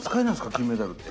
金メダルって。